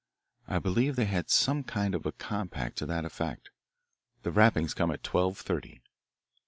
I believe they had some kind of a compact to that effect. The rappings come at twelve thirty."